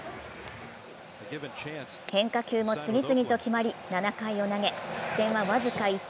変化球も次々と決まり７回を投げ失点は僅か１。